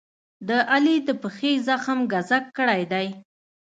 د علي د پښې زخم ګذک کړی دی.